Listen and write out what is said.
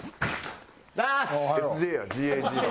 ＳＪやＧＡＧの。